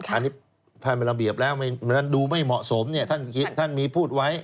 อันนี้ภายเป็นระเบียบแล้วดูไม่เหมาะสมท่านมีพูดไว้